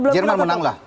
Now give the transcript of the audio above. jerman menang lah